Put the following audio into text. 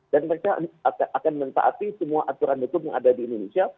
dan mereka akan menetapkan semua aturan hukum yang ada di indonesia